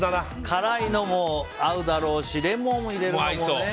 辛いのも合うだろうしレモンを入れるのもね。